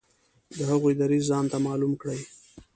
د هغوی دریځ ځانته معلوم کړي.